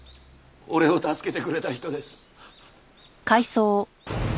俺を助けてくれた人です。